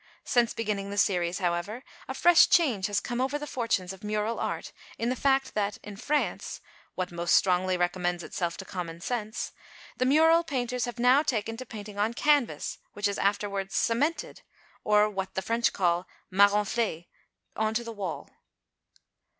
Since beginning the series, however, a fresh change has come over the fortunes of mural art in the fact that, in France (what most strongly recommends itself to common sense), the mural painters have now taken to painting on canvas, which is afterwards cemented, or what the French call "maronflée," on to the wall.